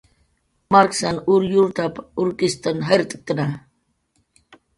"Marksan ur yurtap"" urkistn jayrt'atna "